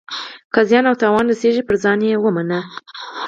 که زیان او تاوان رسیږي پر ځان ومني.